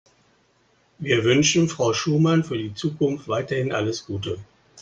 Wir wünschen Frau Schumann für die Zukunft weiterhin alles Gute.